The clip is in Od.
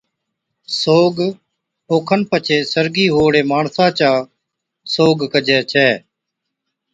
سوگ/ ڏاڻا، اوکن پڇي سرگِي ھئُوڙي ماڻسا چا ڏاڻا/ سوگ ڪجَي ڇَي